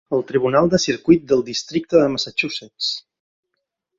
El Tribunal de Circuit del districte de Massachusetts.